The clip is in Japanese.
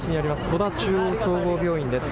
戸田中央総合病院です。